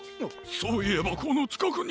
そういえばこのちかくに！